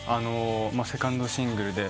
セカンドシングルで。